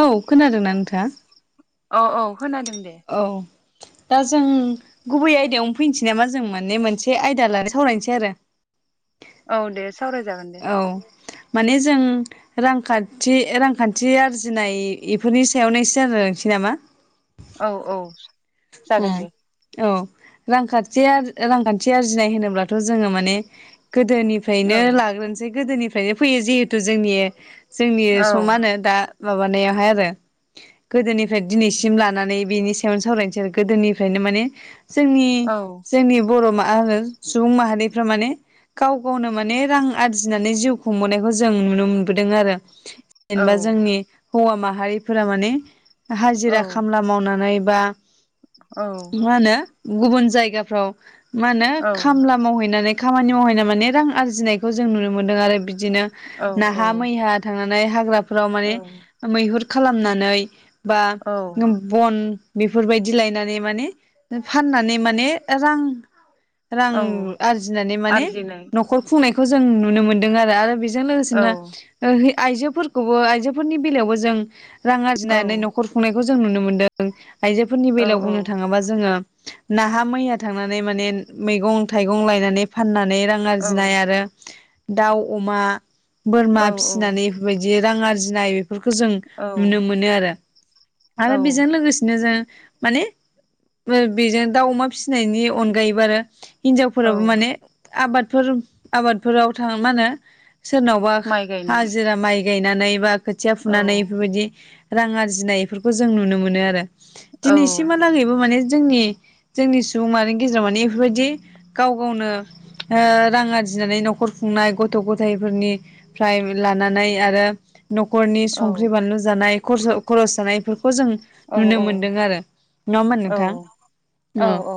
औ खोनादोंना नोंथाङा? औ औ। खोनादों दे। औ दा जों गुबै आयदायावनो फैनोसै नामा जों माने मोनसे आयदा लानानै सावरायनोसै आरो। औ दे। सावरायजागोन दे। औ माने जों रांखान्थि रांखान्थि आरजिनाय बेफोरनि सायावनो एसे सावरायसै नामा। औ औ। जागोन दे औ। रांखान्थिया रांखान्थि आरजिनाय होनोब्लाथ' जोङो माने। औ गोदोनिफ्रायनो लाग्रोनोसै गोदोनि निफ्रायनो फैयो जिहेतु जोंनि। जोंनि औ समानो दा माबानायावहाय आरो गोदोनिफ्राय दिनैसिम लानानै बेनि सायावनो सावरायनो। गोदोनिफ्रायनो माने जोंनि औ जोंनि बर'मा आरो सुबुं माहानिफ्रा माने गाव गावनो माने रां आरजिनानै जिउ खुंबोनायखौ जों नुनो मोनबोदों आरो औ जेनेबा जोंनि हौवा माहारिफोरा माने औ हाजिरा खामला मावनानै बा औ मा होनो गुबुन जायगाफ्राव मा होनो औ खामला मावहैनानै खामानि मावहैनाय माने रां आरजिनायखौ जों नुनो मोन्दों आरो बिद दिनो औ नाहा औ मैहा थांना नाय हाग्रा फ्राव माने मैहुर खालामनानै बा औ नब बन बेफोरबायद दि लायनानै माने ओ फाननानै माने रां रां औ आरजिनानै माने आरजिनाय न'खर खुंनायखौ ज जों नुनो मोनदों आरो आरो बिज जों औ लोगोसेनो ओ है आइजोफोरखौबो आइजोफोरनि बेलायावबो जों रां औ आरजिनानानै नै नख'र खुंनाय खौ जों नुनो मोनदों आइजो फोरनि औ बेलायाव औ बुंनो थाङोबा जोङो नाहा मैया थांनानै माने मैगं-थाइगं लायनानै फानना नै रां औ आरजिनाय आरो दाउ अमा औ बोरमा फिसिनानै इफोरबायदि रां आरजिनाय बेफोरखौ जों औ नुनो मोनो आरो औ आरो बेजों लोगोसेनो जों माने मो बेजों दाउ -अमा फिसिनायनि अनगायैबो आरो औ हिनजावफोराबो माने आबाद फोर ब आबादफोराव थां मा होनो सोरनावबा माइ गायनाय हाजिरा माइ गाय नानै बा खोथिया औ फुनानै इफोरबायदि रां आरजिनाय बेफोरखौ जों नुनो मोनो आरो। औ औ दिनैसिमहालागैबो माने जोंनि जोंनि सुबुंमाहारिनि गेजेराव माने बेफोरबायदि गावगावनि ओ रां आरजिनानै न'खर खुंनाय गथ' गथायाइफोरनिफ्राय लानानै आरो न'खरनि औ संख्रि बानलु जानाय खरसा खर'स जानायफोर खौ जों नुनो मोनदों आरो। नङा होनबा औ नोंथां औ उम। औ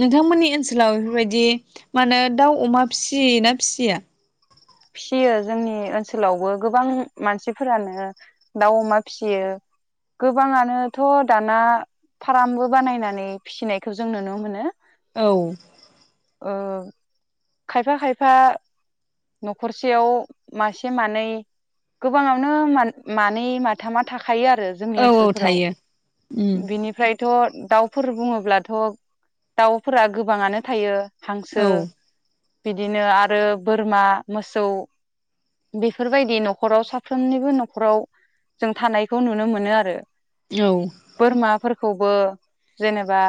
नोंथांमोननि ओनसोलाव बेफोरबायदि मा होनो दाउ अमा फिसियो ना फिसिया। फिसियो जोंनि ओनसोलावबो गोबां मानसिफोरानो दाउ अमा फिसियो गोबाङानोथ' दाना फार्मबो बानायनानै फिसिनायखौ जों नुनो मोनो। औ ओ खायफा खायफा न'खरसेयाव मासे मानै गोबाङानो मान-मानै माथामा थाख खायो आरो जोंनि औ औ ओनसोलफोराव थायो उम बिनिफ्रायथ' दाउ फोर बुङोब्लाथ' दाउफोरा गोबाङानो थायो हांसो औ बिदिनो आरो बोरमा मोसौ बेफोरबायदि न'खराव साफ्रोमनिबो न'खराव जों थानायखौ नुनो मोनो आरो औ बोरमाफोर खौबो जेनेबा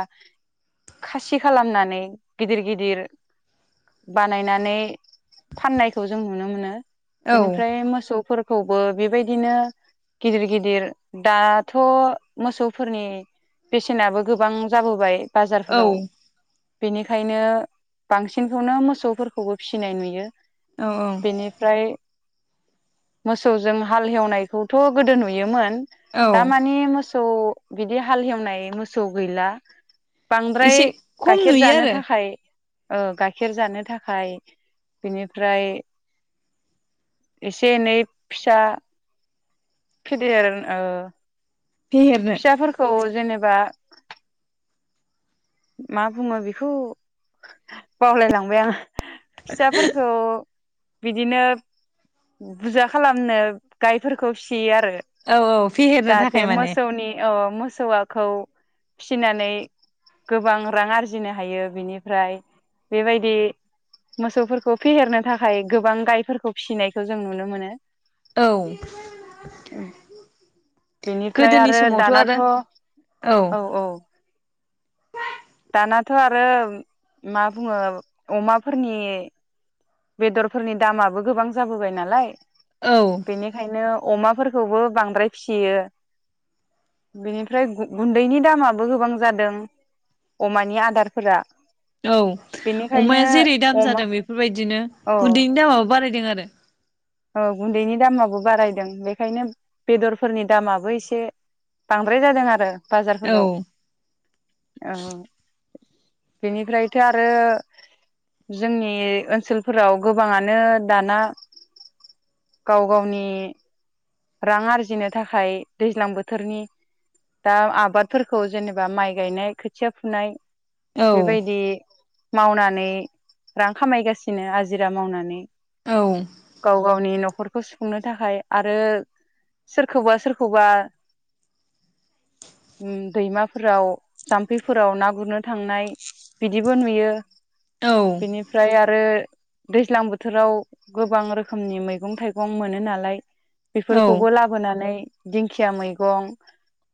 खासि खालामनानै गिदिर गिदिर बानायनानै फाननायखौ जों नुनो मोनो औ बेनिफ्राय मोसौफोर खौबो बेबायदिनो गिदिर गिदिर दाथ' मोसौफोरनि बेसेनाबो गोबां जाबोबाय औ बाजारफोराव बेनिखायनो बांसिनखौनो मोसौफोरखौबो फिसिनाय नु यो औ बेनिफ्राय मोसौजों हाल हेवनायखौथ' गोदो नुयोमोन दा औ मानि मोस सौ बिदि हाल हेवनाय मोसौ गैला बांद्राय एसे खम गाइखेर नुयो जानो आरो थाखाय औ गाइखेर जानो थाखाय बिनिफ्राय एसे एनै फिसा फेदेर ओ फेहेरनो फिसाफोरखौ जेनेबा मा बुङो बेखौ बावलायलांबाय आङो फिसाफोरखौ बिदिनो बुजा खालामनो गायफोरखौ फिसियो आ औ औ फेहेरनो थाखाय माने। ए अ मोसौआखौ फिसिनानै गोबां रां आरजिनो हायो बिनिफ्राय बेबायदि मोसौफोरखौ फेहेरनो थाखाय गोबां गायफोरखौ फिसिनायखौ जों नुनो मोनो। औ। ओमफ्राय गोदोनि आरो समावथ' दानाथ' आरो औ औ। दानाथ' आरो मा बुङो अमाफोरनि बेदरफोरनि दामाबो गोबां जाबोबाय नालाय। औ बेनिखायनो अमाफोरखौबो बांद्राय फिसियो बिनिफ्राय गुन्दैनि दामाबो गोबां जादों अमानि आदारफोरा। औ बेनिखायनो अमाया जेरै दाम अमा जादों बेफोरबाय दिनो औ गुन्दैनि दामाबो बाराय दों आरो औ गुन्दैनि दामाबो बारायदों। बेखायनो बेदरफोरनि दामाबो एसे बांद्राय जादों आरो बाजारफोराव आरो औ। बेनिफ्रायथ' आरो जोंनि ओनसोलफोराव गोबाङानो दाना गाव गावनि रां आरजिनो थाखाय दैज्लां बोथोरनि दा आबादफोरखौ जेनेबा माइ गायनाय खोथिया फुनाय औ बेबायदि मावनानै रां खामायगासिनो आजिरा मावनानै। औ। गाव गावनि न'खरखौ सुफुंनो थाखाय आरो सोरखौबा सोरखौबा उम दैमाफोराव जाम्फैफोराव ना गुरनो थांनाय बिदिबो नुयो। बेनिफ्राय आरो दैज्लां बोथोराव गोबां रो खोमनि मैगं थाइगं मोनो नालाय। औ बेफोरखौबो लाबोनानै दिंखिया मैगं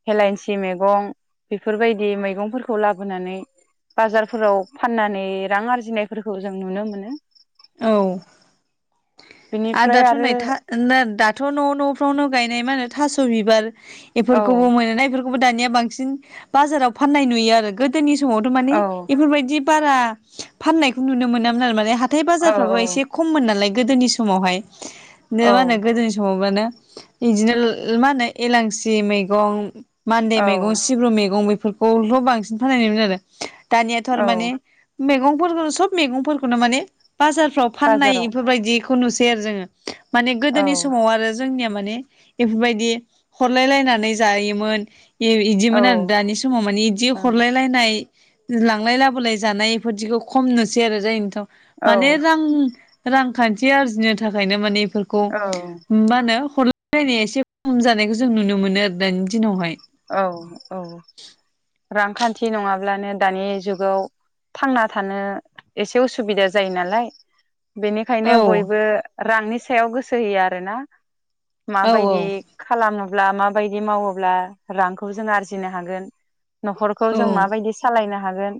हेलेंसि मैगं। बेफोरबायदि मैगंफोरखौ लाबोनानै बाजारफोराव फाननानै रां आरजिनायफोरखौ जों नुनो मोनो। औ। आ बिनिफ्राय दाथ' आरो नै था नै दाथ' न' न'फ्रावनो गायनाय मा होनो थास बिबार औ इफोरखौबो मोनोना इफोर खौबो दानिया बांसिन बाजाराव फाननाय नुयो आरो गोदोनि समावथ' माने औ इफोरबायदि बारा फाननायखौ नुनो मोनामोन आरो माने हा थाइ औ बाजारफ्राबो एसे खममोन नालाय। गोदोनि समावहाय औ नो मा होनो गोदोनि समावबानो बिदिनोल मा होनो एलांसि मैगं। मान्दे मैगं, औ सिब्रु मैगं, बे बफोरखौथ' बांसिन फाननाय नुयोमोन आरो दानियाथ' आरो औ माने। मैगंफोरखौ सब मैगंफोरखौनो माने बाजारफ्राव फाननाय बाजाराव इफोरबायदि खौ नुसै आरो जोङो - माने औ गोदोनि समाव आरो जोंनिया माने बेफोरबायदि हरलाय लायनानै जायोमोन। औ इदिमोन आरो दानि समाव मानि इदि हरलाय लायनाय लांलाय लाबोलाय जानाय बेफोरदिखौ खमनोसै आरो जायनिथाव औ माने रां रांखान सि आरजिनो थाखायनो मानि फोरखौ औ मा होनो हरलायलायनाया एसे खम जानायखौ जों नुनो मोनो आरो दानि दिनावहाय औ औ रांखान्थि नङाब्लानो दानि जुगाव थांना थानो एसे उसुबिदा जायो नालाय बेनिखायनो औ बयबो रांनि सायाव गोसो जायो आरोना। औ माबायदि खालामो। अब्ला माबायदि मावोब्ला रांखौबो जों आरजिनो हागोन। न'खरखौ औ जों माबायदि सालायनो हागोन।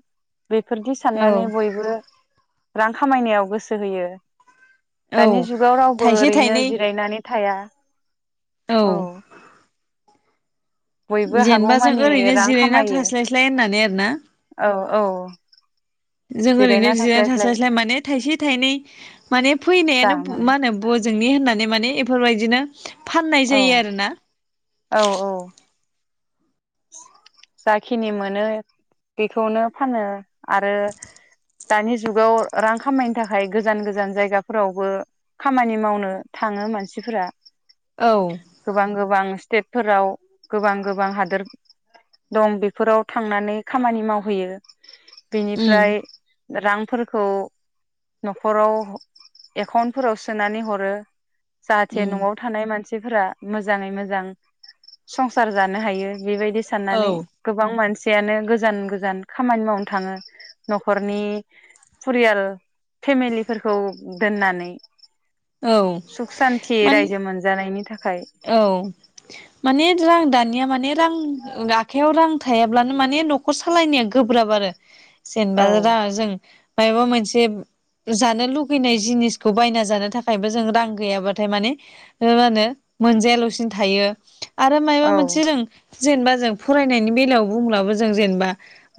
बेफोरखौ औ साननानै बयबो रां खामायनायाव गोसो होयो। औ दानि जुगाव रावबो थाइसे ओरैनो थाइनै जिरायनानै थाया। औ। बयबो जेनेबा जों हागौमानि ओरैनो रां जिरायना खामायो थास्लायस्लाय होननानै आरो ना। औ औ। जों ओरैनो जिरायनानै थास्लायस्लाय माने थाइसे थाइनै माने जा फैनायानो मोनो मा होनो ब जोंनि होननानै माने बेफोरबायदिनो फाननाय औ जायो आरोना। औ औ जाखिनि मोनो बेखौनो फानो आरो दानि जुगाव रां खामायनो थाखाय गोजान गोजान जायगाफोरावबो खामानि मावनो थाङो मानसिफोरा औ गोबां गोबां स्टेट फोराव गोबां गोबां हादोर दं बेफोराव थांनानै खामानि मावहैयो उम बेनिफ्राय रांफोरखौ न'खराव एकाउन्टफोराव सोनानै हरो। जाहाथे उम न'आव थानाय मानसि सिफोरा मोजाङै मोजां संसार जानो हायो। बेबायदि औ साननानै गोबां मानसि। फिसायानो गोजान गोजान खामानि मावनो थाङो न'खरनि फरियाल फेमिलिफोरखौ दोननानै औ सुख सान्थि मान रायजो मोनजानायनि थाखाय औ माने रों दानिया माने रां आखायाव रां थायाब्लानो माने नखर सालायनाया गोब्राब आरो जेनबा औ राङा जों मायबा मोनसे जाथ नों लुगैनाय जिनिसखौ बायना जानो थाखायबो जों रां गैयाबाथाय माने हो होनो मोनजायालसिनो थायो आरो औ मायबा मोनसे रों जेनेबा जों फरायनायनि बेलायाव बुंब्लाबो जों जेनेबा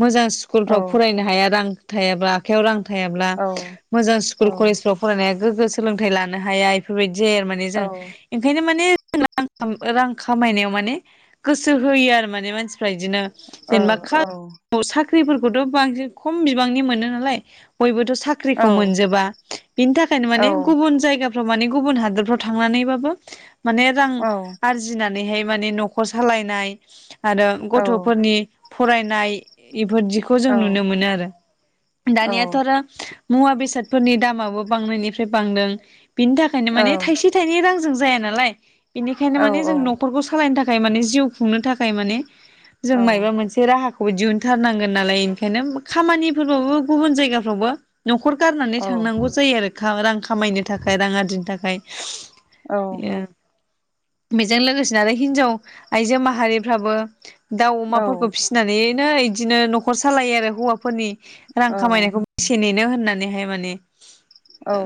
मोजां औ स्कुलफ्राव फरायनो हाया रां थायाब्ला आखायाव रां थायाब्ला औ मोजां स्कुल औ कलेजफ्राव फरायनाय गोगो सोलोंथाइ लानो हाया इफोरबाय जेया माने औ जों ओंखायनो मान रां खामायनायाव माने गोसो होयो आरो माने मानसि फ्राय दिनो औ जेनेबा खा औ खौ साख्रि [unintelligible] खम बिबांनि मोनो नालाय बयबोथ औ साख्रिखौ मोनजोबा बिनि थाखायनो औ माने गुबुन जायगा माने गुबुन हादोरफ्राव थांनानैबो माने रां आरजिना बेहाय माने नखर सालायनाय आरो औ गथफोरनि फरायनाय इफोरदिखौ जों औ नुनो मोनो आरो दानिया थरो मुवा बेसादफोरनि दामाबो बांनायनिफ्राय बांदों। बिनि थाखायनो माने औ थायसे थाइनै रां जों जाया नालाय। बेनिखायनो औ माने जों नखरखौ सालायनो थाख खाय माने जिउ खुंनो थाखाय माने जों मायबा मोनसे राहा खौ दिहुनथारनांगोन नालाय ओंखायनो खामानिफोरबो गुबुन जायगाफ्रावबो न'खर गारनानै थांनांगौ जायो आरो [unintelligible] रां खामायनो थाखाय रां आरजिनो थाखाय। [unintelligible] बेजों लोगोसेनो आरो हिनजाव आइजो माहारिफ्राबो दाउ औ अमाफोरखौ फिसिनानै [unintelligible] इदिनो न'खर सालायो आरो हौवाफोरनि रां खामायनायखौ बेसे नेनो होन [unintelligible] हाय माने औ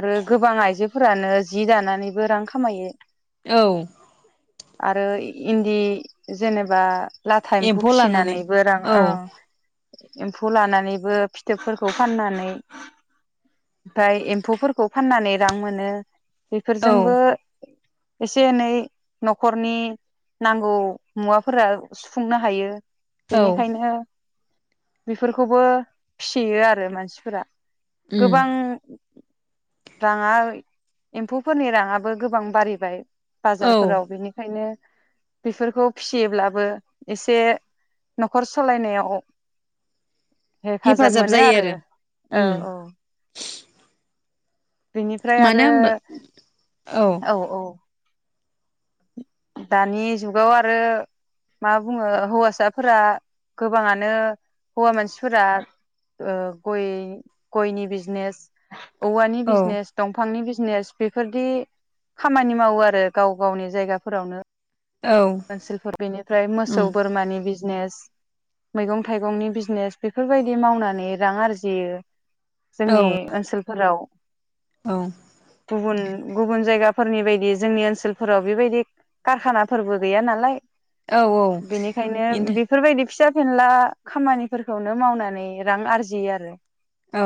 आरो गोबां आइजोफोरानो जि दानानैबो रां खामायो। औ आरो इन्दि जेनेबा लाथा एम्फौ लानानै फिसिनानैबो रां औ ओं [unintelligible] खौ लानानैबो फिथोबफोरखौ फाननानै ओमफ्राय एम्फौफोरखौ फाननानै रां मोनो। औ बेफोरजोंबो एसे एनै न'खरनि नांगौ मुवाफोरा सुफुंनो हायो। औ बेनिखायनो बेफोरखौबो फिसियो आरो मानसिफोरा। उम गोबां राङा एम्फौफोरनि राङाबो गोबां बारिबाय। औ बाजारफोराव बिनिखायनो बेफोरखौ फिसियोब्लाबो एसे न'खर सलायनायाव हेफाजाब मोनो आरो उम औ औ बेनिफ्राय मानो आरो होनबा औ औ दानि जुगाव आरो मा बुङो हौवासाफोरा गोबाङानो हौवा मानसिफोरा गय गयनि बिजनेस औवानि औ बिजनेस दंफांनि बिजने [unintelligible] बेफोरदि खामानि मावो आरो गाव गावनि जायगा फोरावनो औ ओनलफोर बेनिफ्राय मोसौ उम बोरमानि बिजनेस मैगं थाइगंनि बिजनेस बेफोरबायदि मावनानै रां आरजियो औ जोंनि ओनसोलफोराव औ गुबुन गुबुन जायगाफोरनि बायदि जोंनि ओनसोलफोराव बेबायदि कारखानाफोरबो गैया नालाय औ बेनिखायनो इन्था बेफोरबायदि फिसा फेनला खामानिफोरखौनो मावनानै रां आरजियो आरो औ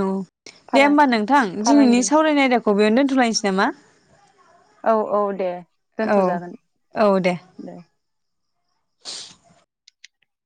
औ दे फालां होमबा नोंथां दिनैनि फालांगि सावरायनाय आयदाखौ बेयावनो दोन्थ'लायनोसै नामा औ औ दे दोनथ' औ जागोन दे